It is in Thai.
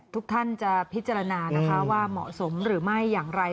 ทุกท่านจะพิจารณานะคะว่าเหมาะสมหรือไม่อย่างไร